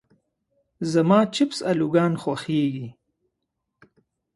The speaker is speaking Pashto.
زما چپس الوګان خوښيږي.